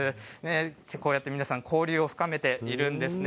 こうやって皆さん、交流を深めているんですね。